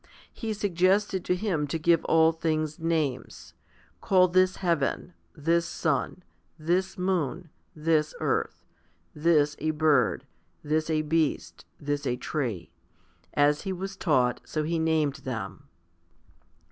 He suggested to him to give all things names: "Call this heaven, this sun, this moon, this earth, this a bird, this a beast, this a tree;" as he was taught, so he named them.